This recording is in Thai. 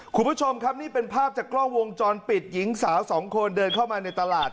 คุณผู้ชมครับนี่เป็นภาพจากกล้องวงจรปิดหญิงสาวสองคนเดินเข้ามาในตลาด